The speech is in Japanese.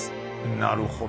なるほど。